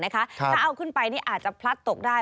ถ้าเอาขึ้นไปอาจจะพลัดตกได้